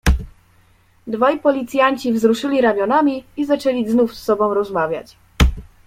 "Dwaj policjanci wzruszyli ramionami i zaczęli znów z sobą rozmawiać."